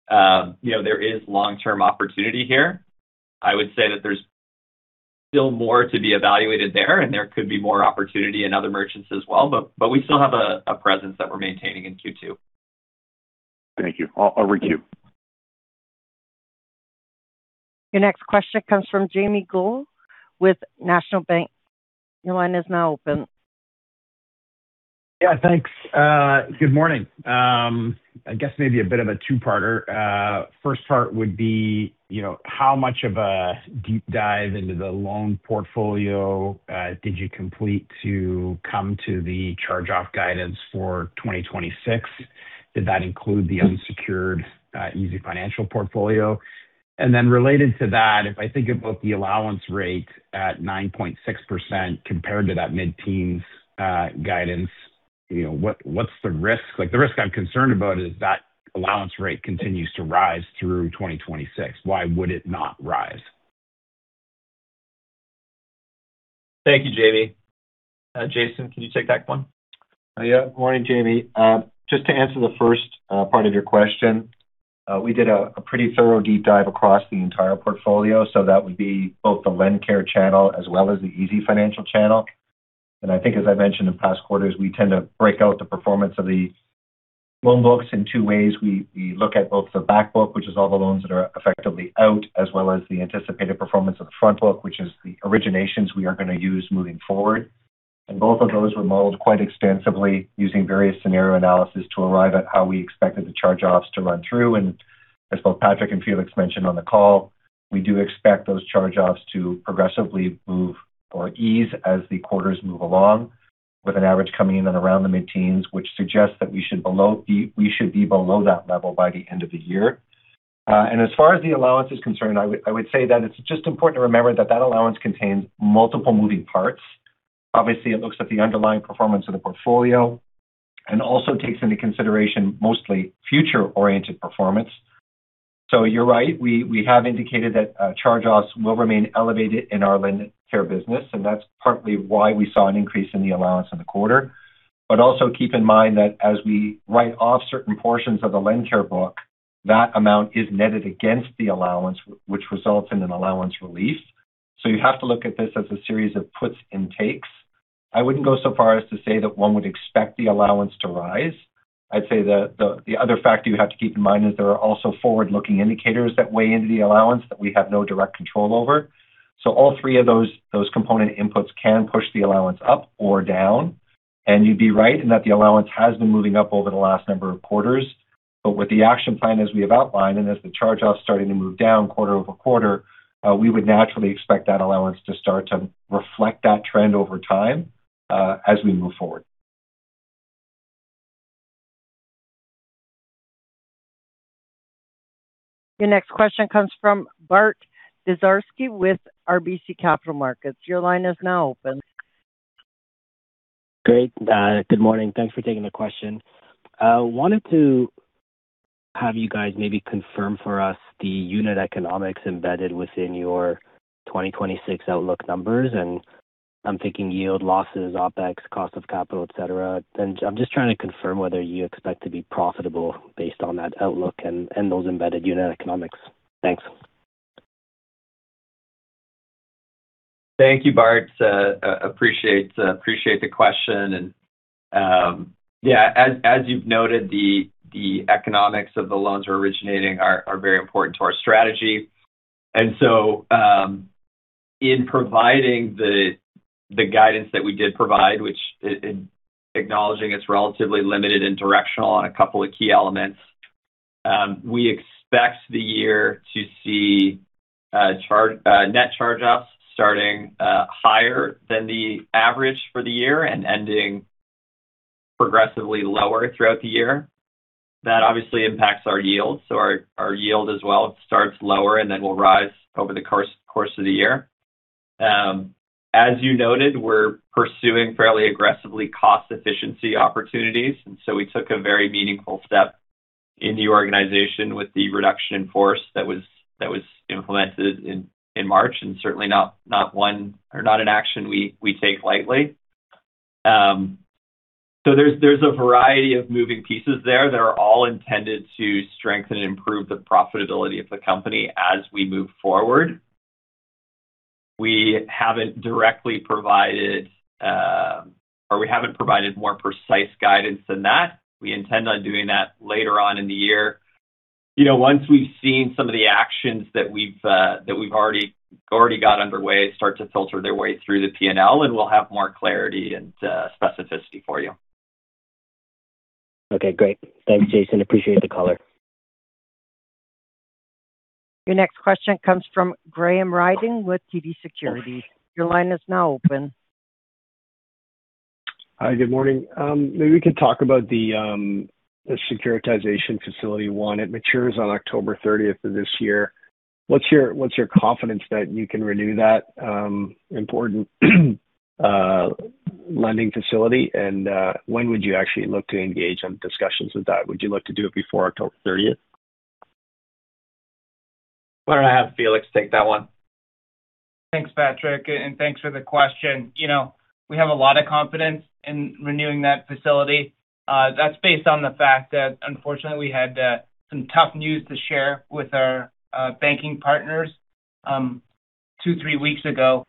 we think, you know, there is long-term opportunity here. I would say that there's still more to be evaluated there, and there could be more opportunity in other merchants as well, but we still have a presence that we're maintaining in Q2. Thank you. I'll queue. Your next question comes from Jaeme Gloyn with National Bank. Your line is now open. Yeah, Thanks. Good morning. I guess maybe a bit of a two-parter. First part would be, you know, how much of a deep dive into the loan portfolio did you complete to come to the charge-off guidance for 2026? Did that include the unsecured easyfinancial portfolio? Related to that, if I think about the allowance rate at 9.6% compared to that mid-teens% guidance, you know, what's the risk? Like, the risk I'm concerned about is that allowance rate continues to rise through 2026. Why would it not rise? Thank you, Jaeme. Jason, can you take that one? Yeah. Morning, Jaeme. Just to answer the first part of your question, we did a pretty thorough deep dive across the entire portfolio. That would be both the LendCare channel as well as the easyfinancial channel. I think as I mentioned in past quarters, we tend to break out the performance of the loan books in two ways. We look at both the back book, which is all the loans that are effectively out, as well as the anticipated performance of the front book, which is the originations we are gonna use moving forward. Both of those were modeled quite extensively using various scenario analysis to arrive at how we expected the charge-offs to run through. As both Patrick and Felix mentioned on the call, we do expect those charge-offs to progressively move or ease as the quarters move along, with an average coming in at around the mid-teens, which suggests that we should be below that level by the end of the year. As far as the allowance is concerned, I would say that it's just important to remember that that allowance contains multiple moving parts. Obviously, it looks at the underlying performance of the portfolio and also takes into consideration mostly future-oriented performance. You're right, we have indicated that charge-offs will remain elevated in our LendCare business, and that's partly why we saw an increase in the allowance in the quarter. Also keep in mind that as we write off certain portions of the LendCare book, that amount is netted against the allowance, which results in an allowance release. You have to look at this as a series of puts and takes. I wouldn't go so far as to say that one would expect the allowance to rise. I'd say the other factor you have to keep in mind is there are also forward-looking indicators that weigh into the allowance that we have no direct control over. All three of those component inputs can push the allowance up or down. You'd be right in that the allowance has been moving up over the last number of quarters. With the action plan as we have outlined, and as the charge-off starting to move down quarter-over-quarter, we would naturally expect that allowance to start to reflect that trend over time, as we move forward. Your next question comes from Bart Dziarski with RBC Capital Markets. Your line is now open. Great. Good morning. Thanks for taking the question. Wanted to have you guys maybe confirm for us the unit economics embedded within your 2026 outlook numbers, and I'm thinking yield losses, OpEx, cost of capital, et cetera. I'm just trying to confirm whether you expect to be profitable based on that outlook and those embedded unit economics. Thanks. Thank you, Bart. Appreciate the question. Yeah, as you've noted, the economics of the loans we're originating are very important to our strategy. In providing the guidance that we did provide, which in acknowledging it's relatively limited and directional on a couple of key elements, we expect the year to see net charge-offs starting higher than the average for the year and ending progressively lower throughout the year. That obviously impacts our yield. Our yield as well starts lower and then will rise over the course of the year. As you noted, we're pursuing fairly aggressively cost efficiency opportunities, and so we took a very meaningful step in the organization with the reduction in force that was implemented in March, and certainly not one we take lightly. There's a variety of moving pieces there that are all intended to strengthen and improve the profitability of the company as we move forward. We haven't directly provided or we haven't provided more precise guidance than that. We intend on doing that later on in the year. You know, once we've seen some of the actions that we've already got underway start to filter their way through the P&L, and we'll have more clarity and specificity for you. Okay, great. Thanks, Patrick. Appreciate the color. Your next question comes from Graham Ryding with TD Securities. Your line is now open. Hi, good morning. Maybe we can talk about the securitization facility one. It matures on October 30th of this year. What's your confidence that you can renew that important lending facility? When would you actually look to engage on discussions with that? Would you look to do it before October 30th? Why don't I have Felix take that one? Thanks, Patrick, and thanks for the question. You know, we have a lot of confidence in renewing that facility. That's based on the fact that unfortunately we had some tough news to share with our banking partners, two to three weeks ago.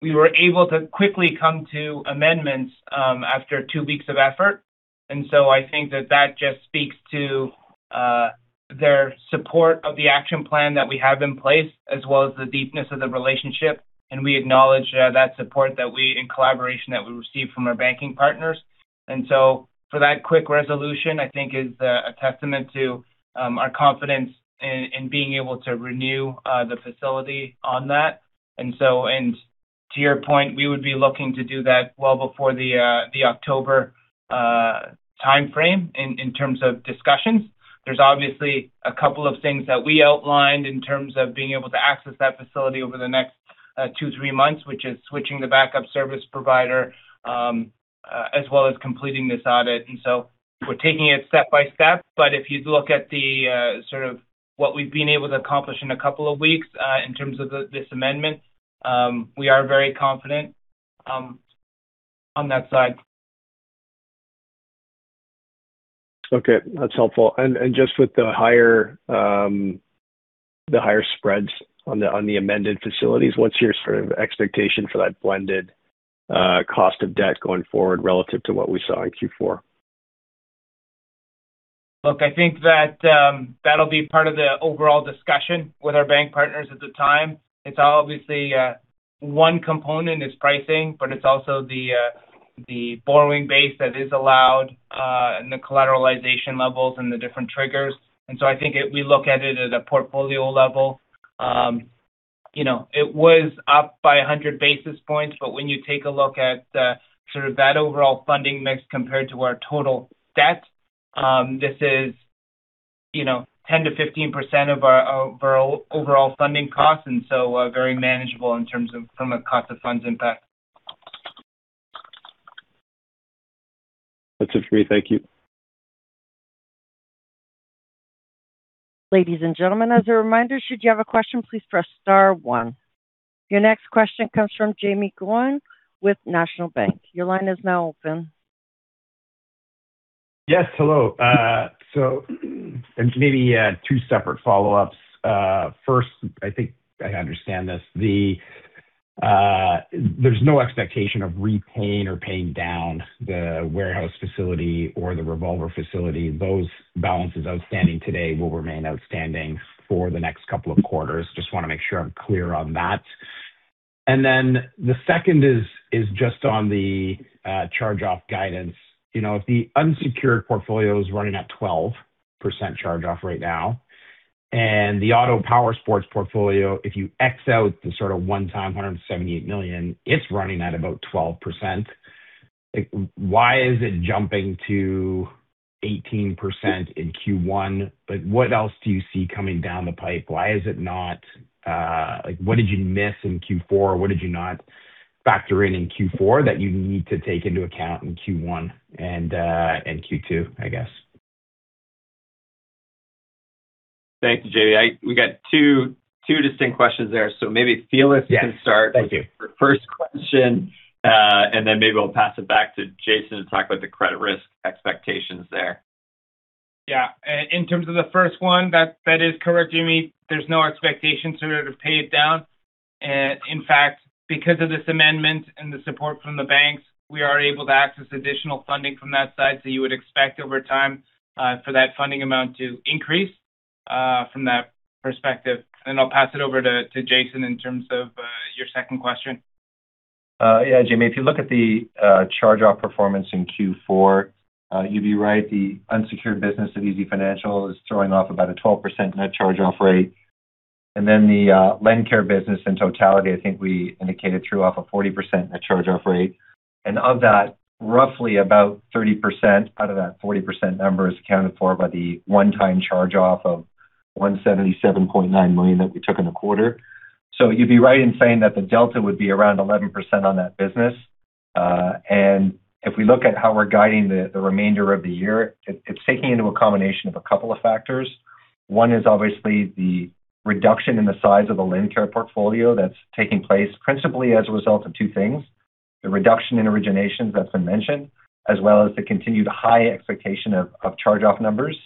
We were able to quickly come to amendments after two weeks of effort. I think that just speaks to their support of the action plan that we have in place, as well as the deepness of the relationship. We acknowledge that support and collaboration that we receive from our banking partners. For that quick resolution, I think is a testament to our confidence in being able to renew the facility on that. To your point, we would be looking to do that well before the October timeframe in terms of discussions. There's obviously a couple of things that we outlined in terms of being able to access that facility over the next two, three months, which is switching the backup service provider as well as completing this audit. We're taking it step by step. But if you look at the sort of what we've been able to accomplish in a couple of weeks in terms of this amendment, we are very confident on that side. Okay, that's helpful. Just with the higher spreads on the amended facilities, what's your sort of expectation for that blended cost of debt going forward relative to what we saw in Q4? Look, I think that'll be part of the overall discussion with our bank partners at the time. It's obviously, one component is pricing, but it's also the borrowing base that is allowed, and the collateralization levels and the different triggers. I think we look at it at a portfolio level. You know, it was up by 100 basis points, but when you take a look at, sort of that overall funding mix compared to our total debt, this is, you know, 10%-15% of our overall funding costs, and so, very manageable in terms of, from a cost of funds impact. That's it for me. Thank you. Ladies and gentlemen, as a reminder, should you have a question, please press star one. Your next question comes from Jaeme Gloyn with National Bank. Your line is now open. Yes, hello. So maybe two separate follow-ups. First, I think I understand this. There's no expectation of repaying or paying down the warehouse facility or the revolver facility. Those balances outstanding today will remain outstanding for the next couple of quarters. Just wanna make sure I'm clear on that. Then the second is just on the charge-off guidance. You know, if the unsecured portfolio is running at 12% charge-off right now and the auto powersports portfolio, if you X out the sort of one-time 178 million, it's running at about 12%. Why is it jumping to 18% in Q1? What else do you see coming down the pipe? Why is it not, like, what did you miss in Q4? What did you not factor in in Q4 that you need to take into account in Q1 and Q2, I guess? Thanks, Jaeme. We got two distinct questions there. Maybe, Felix Wu, you can start- Yes. Thank you. The first question, and then maybe I'll pass it back to Jason to talk about the credit risk expectations there. Yeah. In terms of the first one, that is correct, Jaeme. There's no expectation to pay it down. In fact, because of this amendment and the support from the banks, we are able to access additional funding from that side. You would expect over time for that funding amount to increase from that perspective. I'll pass it over to Jason in terms of your second question. Yeah, Jaeme, if you look at the charge-off performance in Q4, you'd be right. The unsecured business of easyfinancial is throwing off about 12% net charge-off rate. Then the LendCare business in totality, I think we indicated threw off a 40% net charge-off rate. Of that, roughly about 30% out of that 40% number is accounted for by the one-time charge-off of 177.9 million that we took in a quarter. You'd be right in saying that the delta would be around 11% on that business. If we look at how we're guiding the remainder of the year, it's taking into account a combination of a couple of factors. One is obviously the reduction in the size of the LendCare portfolio that's taking place principally as a result of two things. The reduction in originations that's been mentioned, as well as the continued high expectation of charge-off numbers.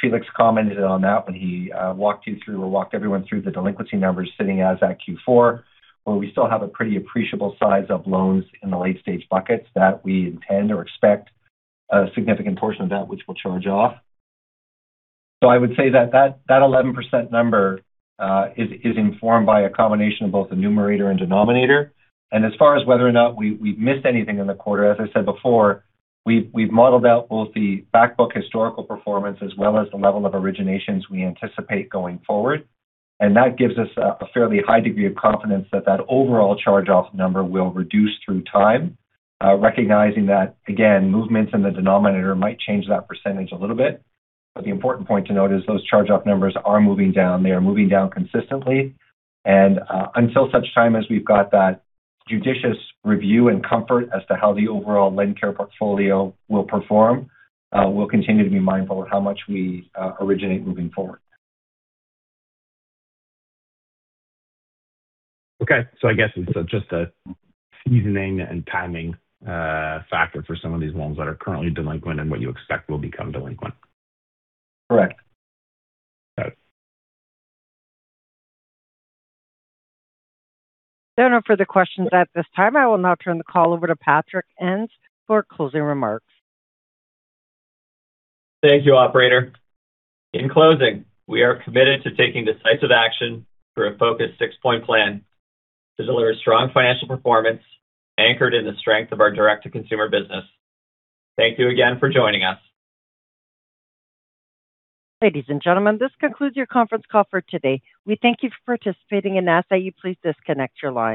Felix commented on that when he walked you through or walked everyone through the delinquency numbers sitting as at Q4, where we still have a pretty appreciable size of loans in the late-stage buckets that we intend or expect a significant portion of that which we'll charge off. I would say that that 11% number is informed by a combination of both the numerator and denominator. As far as whether or not we've missed anything in the quarter, as I said before, we've modeled out both the back book historical performance as well as the level of originations we anticipate going forward. That gives us a fairly high degree of confidence that overall charge-off number will reduce through time, recognizing that, again, movements in the denominator might change that percentage a little bit. The important point to note is those charge-off numbers are moving down. They are moving down consistently. Until such time as we've got that judicious review and comfort as to how the overall LendCare portfolio will perform, we'll continue to be mindful of how much we originate moving forward. Okay. I guess it's just a seasoning and timing factor for some of these loans that are currently delinquent and what you expect will become delinquent. Correct. Got it. There are no further questions at this time. I will now turn the call over to Patrick Ens for closing remarks. Thank you, operator. In closing, we are committed to taking decisive action through a focused six-point plan to deliver strong financial performance anchored in the strength of our direct-to-consumer business. Thank you again for joining us. Ladies and gentlemen, this concludes your conference call for today. We thank you for participating and ask that you please disconnect your lines.